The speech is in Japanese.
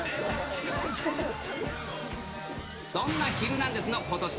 そんなヒルナンデス！のことし